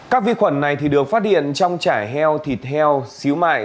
các vi khuẩn này được phát hiện trong chải heo thịt heo xíu mại